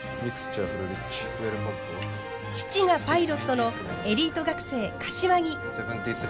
父がパイロットのエリート学生柏木。